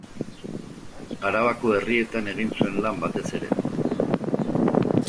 Arabako herrietan egin zuen lan, batez ere.